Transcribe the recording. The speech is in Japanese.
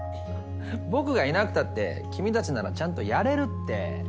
僕がいなくたって君たちならちゃんとやれるって。